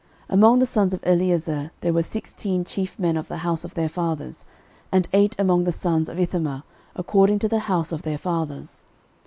Among the sons of Eleazar there were sixteen chief men of the house of their fathers, and eight among the sons of Ithamar according to the house of their fathers.